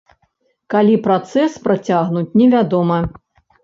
Калі працэс працягнуць, невядома.